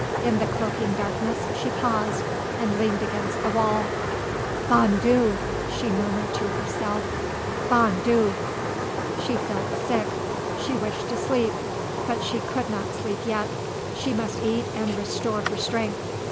In the cloaking darkness she paused and leaned against the wall. "Bon Dieu!" she murmured to herself "Bon Dieu!" She felt sick. She wished to sleep. But she could not sleep yet. She must eat and restore her strength.